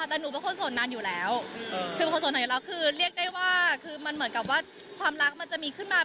พูดไว้ก่อนเป็นรักบิวต์ตัวเองคุณชอบอ่ะ